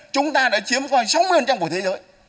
chúng ta đã chiếm khoảng sáu mươi của thế giới